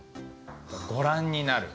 「ご覧になる」